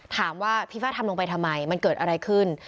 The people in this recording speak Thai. ถามว่าพี่ฟ้าทำลงไปทำไมมันเกิดอะไรขึ้น